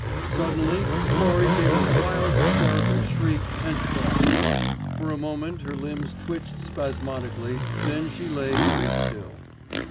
Suddenly Florrie gave a wild hysterical shriek and fell. For a moment her limbs twitched spasmodically, then she lay very still.